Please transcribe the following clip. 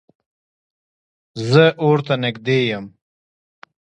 زه اور ته نږدې یم